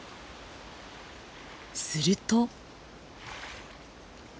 すると。